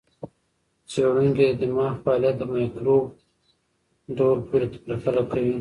څېړونکي د دماغ فعالیت د مایکروب ډول پورې پرتله کوي.